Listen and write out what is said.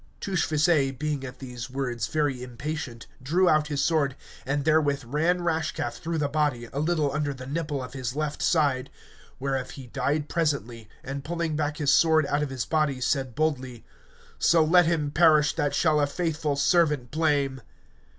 Touchfaucet being at these words very impatient, drew out his sword, and therewith ran Rashcalf through the body, a little under the nipple of his left side, whereof he died presently, and pulling back his sword out of his body said boldly, So let him perish that shall a faithful servant blame.